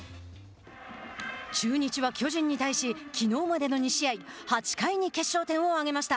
中日は巨人に対しきのうまでの２試合８回に決勝点を挙げました。